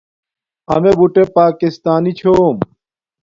امیے بوٹے پاکستانی چھوم